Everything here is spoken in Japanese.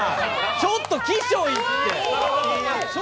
ちょっときしょいって。